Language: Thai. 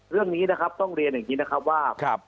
เรื่องนี้นะครับต้องเรียนอย่างนี้นะครับว่า